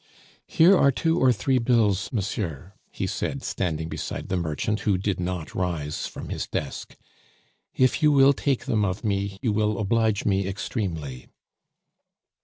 "Here are two or three bills, monsieur," he said, standing beside the merchant, who did not rise from his desk. "If you will take them of me, you will oblige me extremely."